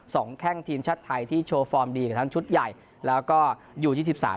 แข้งทีมชาติไทยที่โชว์ฟอร์มดีกับทั้งชุดใหญ่แล้วก็ยูยี่สิบสาม